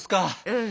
うん。